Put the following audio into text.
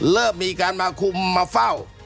เลิกมีการขุมมาเฝ้า